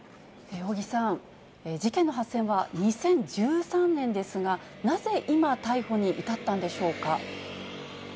尾木さん、事件の発生は２０１３年ですが、なぜ今、逮捕に至ったんでしょうか。